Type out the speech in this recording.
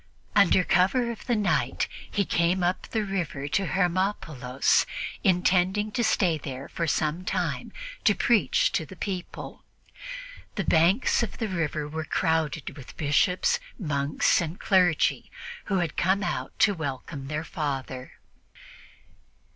Under cover of the night, he came up the river to Hermopolis, intending to stay there for some time to preach to the people. The banks of the river were crowded with bishops, monks and clergy who had come out to welcome their Father.